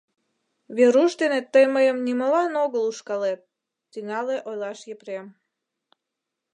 — Веруш дене тый мыйым нимолан огыл ушкалет, — тӱҥале ойлаш Епрем.